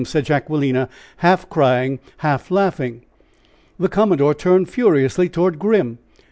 said Jacquelina, half crying, half laughing. The commodore turned furiously toward Grim.